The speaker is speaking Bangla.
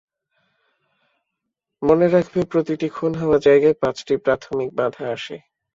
মনে রাখবে, প্রতিটি খুন হওয়া জায়গায় পাঁচটি প্রাথমিক বাধা আসে।